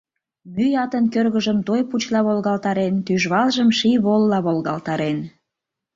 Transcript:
Мӱй атын кӧргыжым той пучла волгалтарен, тӱжвалжым ший волла волгалтарен.